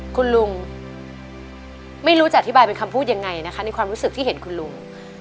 คุณลุงไม่รู้จะอธิบายเป็นคำพูดยังไงนะคะในความรู้สึกที่เห็นคุณลุง